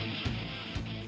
dari jual gambar